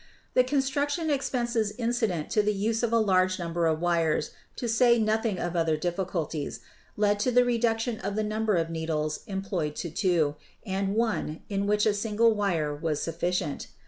The construction expenses incident to the use of a large number of wires, to say nothing of other difficulties, led to the reduction of the number of needles employed to two, and one in which a single wire was sufficient.